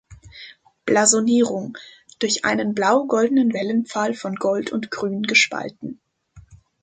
Blasonierung: „Durch einen blau-goldenen Wellenpfahl von Gold und Grün gespalten.